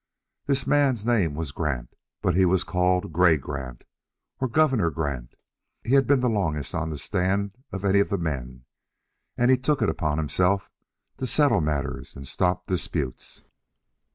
This man's name was Grant, but he was called "Gray Grant," or "Governor Grant." He had been the longest on that stand of any of the men, and he took it upon himself to settle matters and stop disputes.